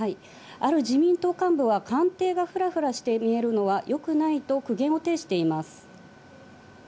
ある自民党幹部は官邸がフラフラして見えるのはよくないと苦言を呈しています。